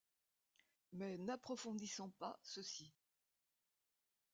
Mais n’approfondissons pas ceci ;